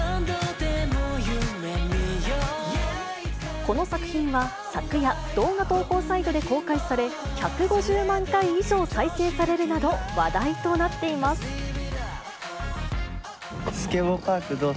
この作品は昨夜、動画投稿サイトで公開され、１５０万回以上再生されるなど、話題となっています。